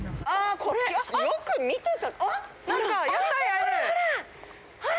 これよく見てたほら